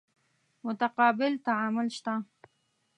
متقابل تعامل شته.